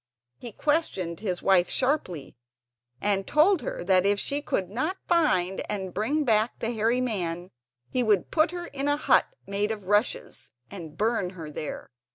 He questioned his wife sharply, and told her that if she could not find and bring back the hairy man he would put her in a hut made of rushes and burn her there.